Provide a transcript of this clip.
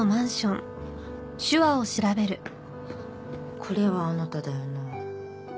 これは「あなた」だよな。